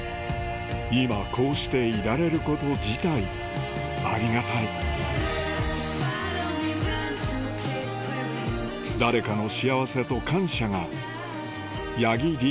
今こうしていられること自体ありがたい誰かの幸せと感謝が八木莉